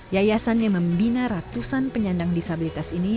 yayasan yang membina ratusan penyandang disabilitas ini